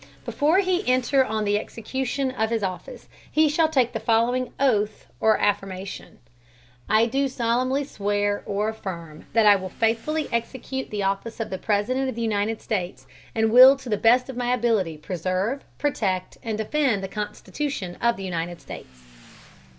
Before he enter on the Execution of his Office, he shall take the following Oath or Affirmation: "I do solemnly swear (or affirm) that I will faithfully execute the Office of President of the United States, and will to the best of my Ability, preserve, protect and defend the Constitution of the United States."